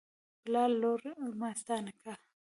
پلار: لورې ماستا نکاح